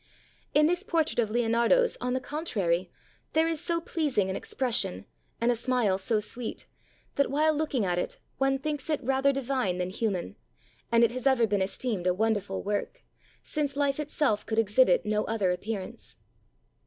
In this portrait of Leonardo's, on the contrary, there is so pleasing an expression, and a smile so sweet, that while looking at it one thinks it rather di vine than human, and it has ever been esteemed a wonderful work, since life itself could exhibit no other appearance.